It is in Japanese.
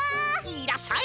いらっしゃい！